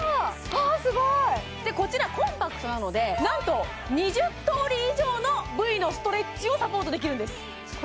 ああすごいこちらコンパクトなので何と２０通り以上の部位のストレッチをサポートできるんです